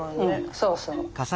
そうそう。